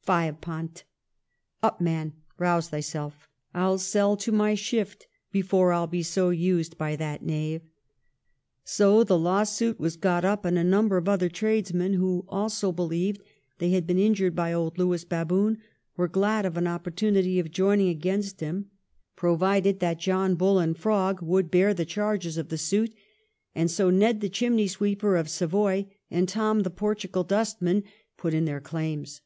Fie upon't ! Up, man ; rouse thyself I I'll sell to my shift before I'll be so used by that knave.' So the lawsuit was got up, and a number of other tradesmen, who also believed they had been injured by old Lewis Baboon, were glad of an oppor tunity of joining against him, provided that Bull 1713 * HUMPHREY HOCUS/ 307 and Prog would bear the charges of the suit, and so Ned the Chimney sweeper of Savoy and Tom the Portugal Dustman put in their claims.